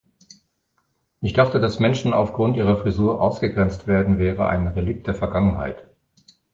Ich dachte, dass Menschen aufgrund ihrer Frisur ausgegrenzt werden, wäre ein Relikt der Vergangenheit.